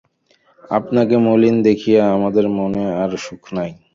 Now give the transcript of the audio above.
আপনাকে মলিন দেখিয়া আমাদের মনে আর সুখ নাই!